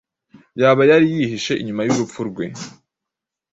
yaba yari yihishe inyuma y’urupfu rwe